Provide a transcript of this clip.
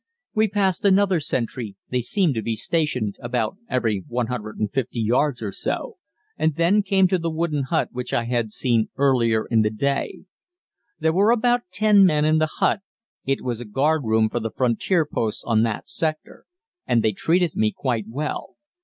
We passed another sentry (they seemed to be stationed about every 150 yards or so), and then came to the wooden hut which I had seen earlier in the day. There were about ten men in the hut (it was the guardroom for the frontier posts on that sector), and they treated me quite well.